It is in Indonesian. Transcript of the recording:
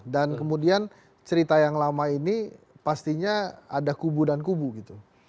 dan kemudian cerita yang lama ini pastinya ada kubu dan kubu gitu